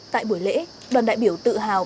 tại buổi lễ đoàn đại biểu tự hào